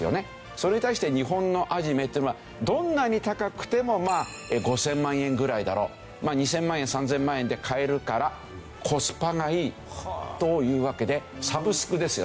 それに対して日本のアニメっていうのはどんなに高くてもまあ５０００万円ぐらいだろうまあ２０００万円３０００万円で買えるからコスパがいいというわけでサブスクですよね。